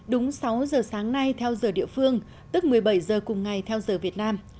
đúng sáu giờ sáng nay theo giờ địa phương tức một mươi bảy giờ cùng ngày theo giờ việt nam